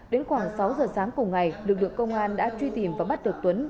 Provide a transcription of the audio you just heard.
đến khoảng sáu giờ sáng cùng ngày lực lượng công an đã truy tìm và bắt được tuấn